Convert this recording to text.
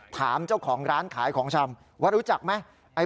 ถามเจ้าของร้านขายของชำว่ารู้จักไหม